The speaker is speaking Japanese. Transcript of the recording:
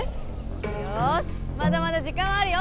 よしまだまだ時間はあるよ！